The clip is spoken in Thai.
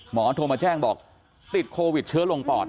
โทรมาแจ้งบอกติดโควิดเชื้อลงปอด